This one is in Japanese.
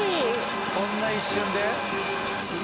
こんな一瞬で？